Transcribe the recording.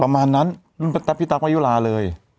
ประมาณนั้นรุ่นประมาณพี่ตั๊กมายุราเลย